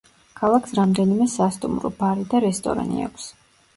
ქალაქს რამდენიმე სასტუმრო, ბარი და რესტორანი აქვს.